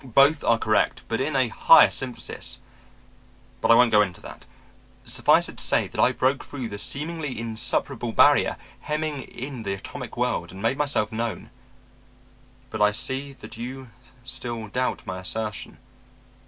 Both are correct, but in a higher synthesis But I won't go into that. Suffice it to say that I broke through the seemingly insuperable barrier hemming in the atomic world and made myself known. But I see that you still doubt my assertion.